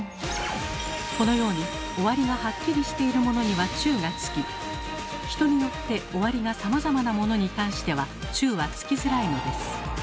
このように終わりがハッキリしているものには「中」がつき人によって終わりがさまざまなものに関しては「中」はつきづらいのです。